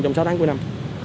trong sáu tháng cuối năm